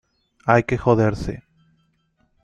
hay que joderse.